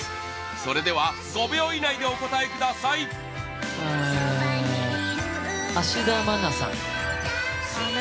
それでは５秒以内でお答えください芦田愛菜さん！